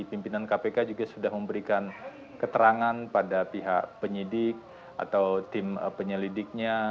pimpinan kpk juga sudah memberikan keterangan pada pihak penyidik atau tim penyelidiknya